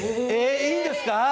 えいいんですか？